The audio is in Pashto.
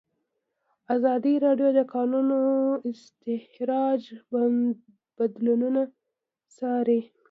ازادي راډیو د د کانونو استخراج بدلونونه څارلي.